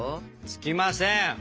つきません？